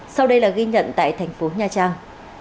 sau đây là ghi nhận tại tp nha trang